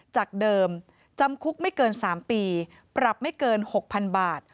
จากเดิมจำคุกไม่เกิน๓ปีปรับไม่เกิน๖๐๐๐บาท